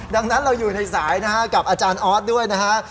ดังนั้นเราอยู่ในสายนะฮะกับอาจารย์ออสด้วยนะฮะ